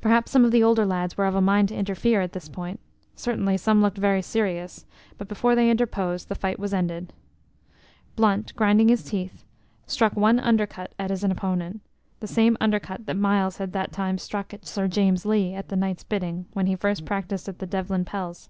Perhaps some of the older lads were of a mind to interfere at this point, certainly some looked very serious, but before they interposed, the fight was ended. Blunt, grinding his teeth, struck one undercut at his opponent the same undercut that Myles had that time struck at Sir James Lee at the knight's bidding when he first practised at the Devlen pels.